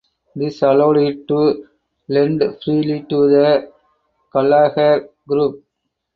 This allowed it to lend freely to the Gallagher Group.